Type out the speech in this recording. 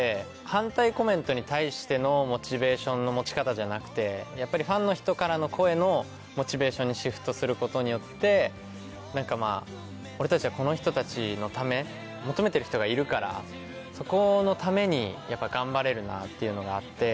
反対コメントに対してのモチベーションの持ち方じゃなくてファンの人からの声のモチベーションにシフトすることによって俺たちはこの人たちのため求めてる人がいるからそこのために頑張れるなっていうのがあって。